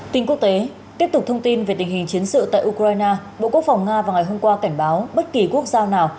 tin quốc tế tiếp tục thông tin về tình hình chiến sự tại ukraine bộ quốc phòng nga vào ngày hôm qua cảnh báo bất kỳ quốc gia nào